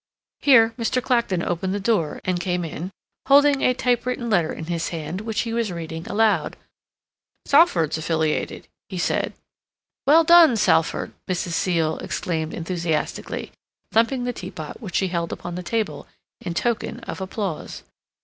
Here Mr. Clacton opened the door, and came in, holding a typewritten letter in his hand, which he was reading aloud. "Salford's affiliated," he said. "Well done, Salford!" Mrs. Seal exclaimed enthusiastically, thumping the teapot which she held upon the table, in token of applause.